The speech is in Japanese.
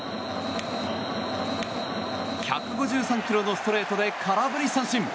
１５３キロのストレートで空振り三振。